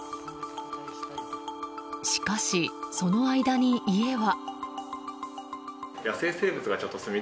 しかし、その間に家は。